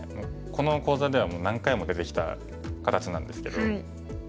この講座ではもう何回も出てきた形なんですけど。